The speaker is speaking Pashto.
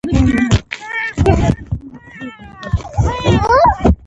دعا د مومن لپاره څه ده؟